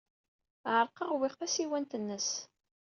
Ɛerqeɣ, uwyeɣ tasiwant-nnes.